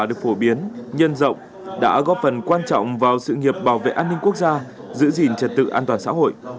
được phổ biến nhân rộng đã góp phần quan trọng vào sự nghiệp bảo vệ an ninh quốc gia giữ gìn trật tự an toàn xã hội